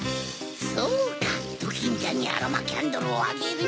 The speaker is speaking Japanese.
そうかドキンちゃんにアロマキャンドルをあげれば。